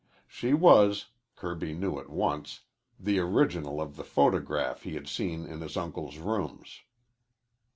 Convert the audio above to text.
She was, Kirby knew at once, the original of the photograph he had seen in his uncle's rooms.